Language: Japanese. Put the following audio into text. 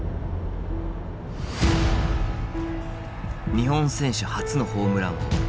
日本選手初のホームラン王。